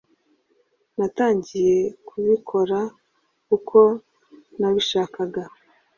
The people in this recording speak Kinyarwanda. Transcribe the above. Natangiye kubikora uko nabishakaga